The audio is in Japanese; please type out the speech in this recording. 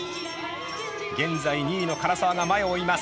現在２位の唐澤が前を追います。